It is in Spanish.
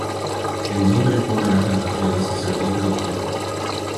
El nombre es un homenaje al patriota sacerdote Dr.